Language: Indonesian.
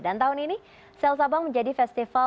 dan tahun ini sail sabang menjadi festivalnya